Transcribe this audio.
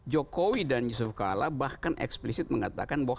jokowi dan yusuf kala bahkan eksplisit mengatakan bahwa